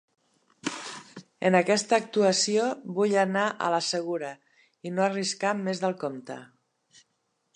En aquesta actuació vull anar a la segura i no arriscar més del compte.